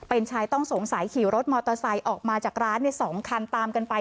เป็นชายต้องสงสัยขี่รถมอเตอร์ไซค์ออกมาจากร้าน๒คันตามกันไป